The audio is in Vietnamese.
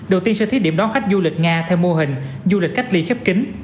đầu tiên sẽ thiết điểm đón khách du lịch nga theo mô hình du lịch cách ly khép kính